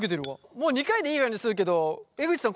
もう２回でいいような感じするけど江口さん